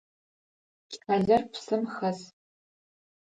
Кӏалэр псым хэс.